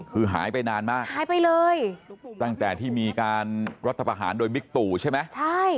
คือหายไปนานมากหายไปเลยตั้งแต่ที่มีการรัฐประหารโดยบิ๊กตู่ใช่ไหมใช่